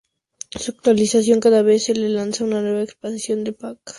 Se actualiza cada vez que se lanza una nueva expansión o pack de accesorios.